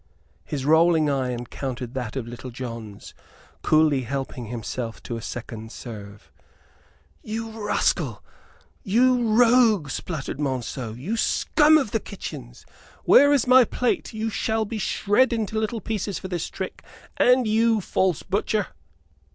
His rolling eye encountered that of Little John's, coolly helping himself to a second serve. "You rascal! you rogue!" spluttered Monceux. "You scum of the kitchens! Where is my plate? You shall be shred into little pieces for this trick, and you also, false butcher."